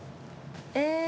え